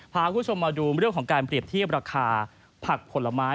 พาคุณผู้ชมมาดูเรื่องของการเปรียบเทียบราคาผักผลไม้